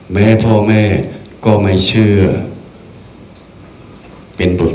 แม้พ่อแม่ก็ไม่เชื่อ